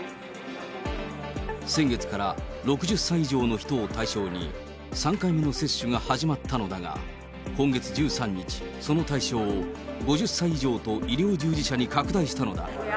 先月から６０歳以上の人を対象に、３回目の接種が始まったのだが、今月１３日、その対象を５０歳以上と医療従事者に拡大したのだ。